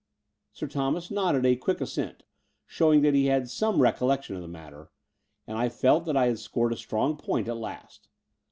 Sir Thomas nodded a quick assent, showing that he had some recollection of the matter; and I felt that I had scored a strong point at last.